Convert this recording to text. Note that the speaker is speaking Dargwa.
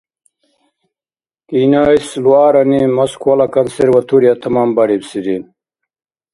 КӀинайс Луарани Москвала консерватория таманаибсири.